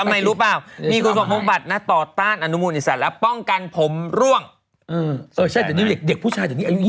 เยอะสิรพินเยอะเด็กดาราทุกวันนี้เราไม่ได้ไปทำหน้ากันแล้วนะ